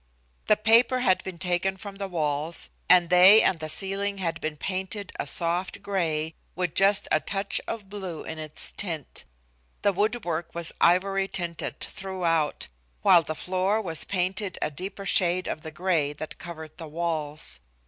The paper had been taken from the walls, and they and the ceiling had been painted a soft gray with just a touch of blue in its tint. The woodwork was ivory tinted throughout, while the floor was painted a deeper shade of the gray that covered the walls.